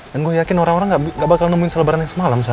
gue yakin orang orang gak bakal nemuin selebaran yang semalam